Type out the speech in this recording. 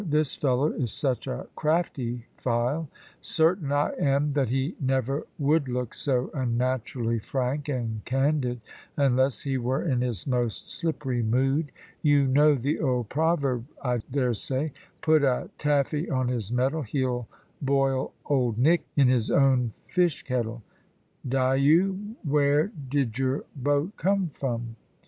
This fellow is such a crafty file. Certain I am that he never would look so unnaturally frank and candid unless he were in his most slippery mood. You know the old proverb, I daresay, 'Put a Taffy on his mettle, he'll boil Old Nick in his own fish kettle.' Dyo, where did your boat come from?"